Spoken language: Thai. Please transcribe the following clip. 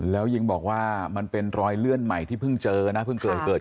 แล้วยิ่งบอกว่ามันเป็นรอยเลื่อนใหม่ที่เพิ่งเจอนะเพิ่งเกิด